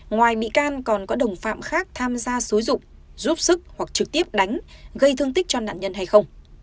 ngoài bị can còn có đồng phạm khác tham gia xúi rục giúp sức hoặc trực tiếp đánh gây thương tích cho nạn nhân hay không